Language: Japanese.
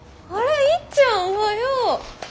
あれいっちゃんおはよう。